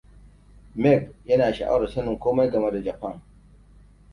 Meg yana sha'awar sanin komai game da Japan.